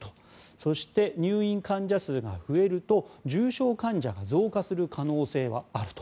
そして、入院患者数が増えると重症患者が増加する可能性はあると。